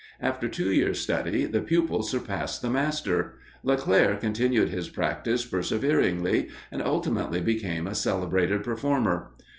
After two years' study, the pupil surpassed the master. Leclair continued his practice perseveringly, and ultimately became a celebrated performer.